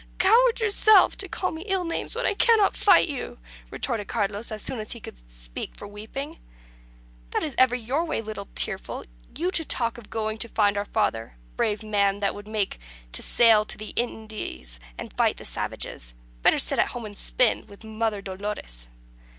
"Coward yourself, to call me ill names when I cannot fight you," retorted Carlos, as soon as he could speak for weeping. "That is ever your way, little tearful. You to talk of going to find our father! A brave man you would make to sail to the Indies and fight the savages. Better sit at home and spin, with Mother Dolores."